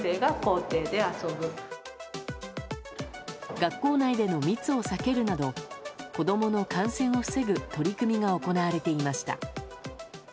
学校内での密を避けるなど子供の感染を防ぐ取り組みが行われていました。